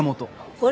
これ？